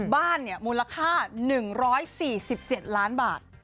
บ้านนี่มูลค่า๑๔๗ล้านบาท